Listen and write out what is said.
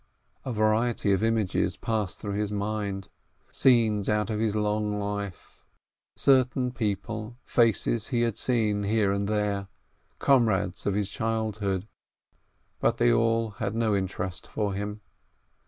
A variety of images passed through his mind, scenes out of his long life, certain people, faces he had seen here and there, comrades of his childhood, but they all had no interest for him.